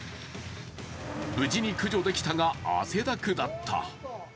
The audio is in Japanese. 無事に駆除できたが汗だくだった。